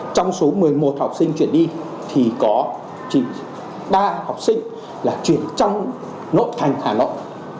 trong số một mươi một học sinh chuyển đi thì có ba học sinh là chuyển trong nội thành hà nội